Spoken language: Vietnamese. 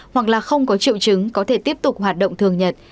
hoặc là không có triệu chứng có thể tiếp tục hoạt động thường nhật